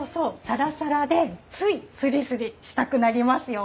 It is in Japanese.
さらさらでついすりすりしたくなりますよ。